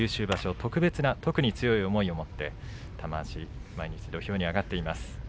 特別に特に強い思いを持って玉鷲毎日土俵に上がっています。